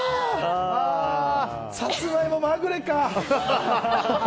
サツマイモ、まぐれか。